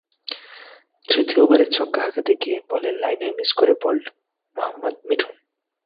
তৃতীয় ওভারে ছক্কা হাঁকাতে গিয়ে বলের লাইনই মিস করে বোল্ড মোহাম্মদ মিঠুন।